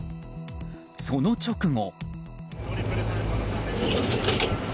その直後。